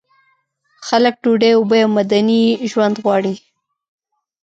خلک ډوډۍ، اوبه او مدني ژوند غواړي.